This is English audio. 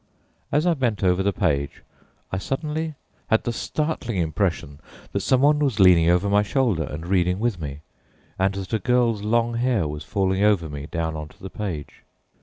As I bent over the page, I suddenly had the startling impression that someone was leaning over my shoulder and reading with me, and that a girl's long hair was falling over me down on to the page.